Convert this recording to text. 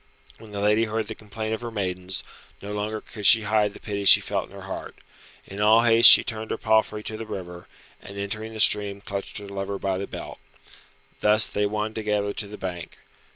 When the lady heard the complaint of her maidens, no longer could she hide the pity she felt in her heart. In all haste she turned her palfrey to the river, and entering the stream clutched her lover by the belt. Thus they won together to the bank.